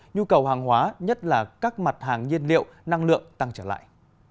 nhu cầu hàng hóa nhất là các mặt hàng nhiên liệu năng lượng tăng trở lại